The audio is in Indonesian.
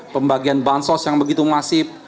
pembagian bansos yang begitu masif